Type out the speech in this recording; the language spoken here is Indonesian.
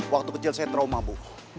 waktu kecil saya trauma bu